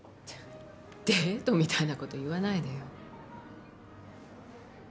デートみたいな事言わないでよ。